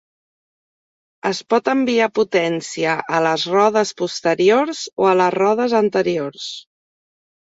Es pot enviar potencia a les rodes posteriors o a les rodes anteriors.